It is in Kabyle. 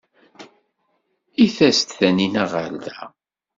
I tas-d Taninna ɣer da?